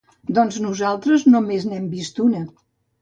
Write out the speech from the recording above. Doncs nosaltres només n'hem vist una.